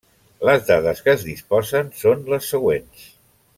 Les dades que es disposen són les següents.